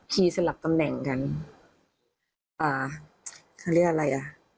สลับตำแหน่งกันอ่าเขาเรียกอะไรอ่ะ